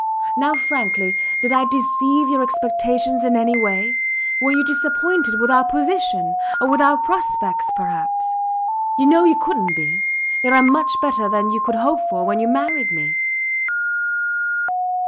Now frankly; did I deceive your expectations in any way? Were you disappointed with our position or with our prospects perhaps? You know you couldnt be they are much better than you could hope for when you married me.